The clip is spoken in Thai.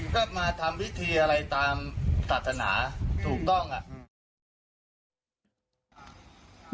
ก็มาทำพิธีอะไรตามศาสนาถูกต้องอ่ะอืม